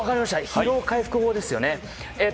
疲労回復法ですよね。